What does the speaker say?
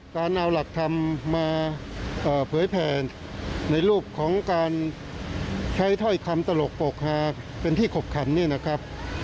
การเอาหลักธรรมมาเผยแผ่ในรูปของการใช้ถ้อยคำตลกปกฮาเป็นที่ขบขันเนี่ยนะครับ